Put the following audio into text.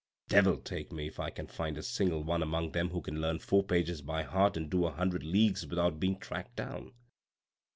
Devil take me if I can find a single one among them who can learn four pages by heart and do a hundred leagues without being tracked down.